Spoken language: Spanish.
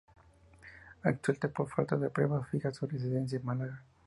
Absuelto por falta de pruebas fija su residencia en Málaga.